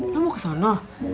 lo mau ke sana